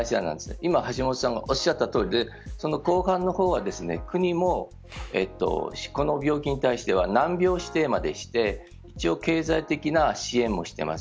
今、橋下さんがおっしゃったとおりで後半の方は国もこの病気に対しては難病指定までして一応、経済的な支援もしてます。